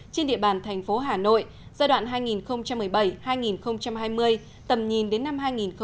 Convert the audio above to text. trên địa bàn thành phố hà nội giai đoạn hai nghìn một mươi bảy hai nghìn hai mươi tầm nhìn đến năm hai nghìn ba mươi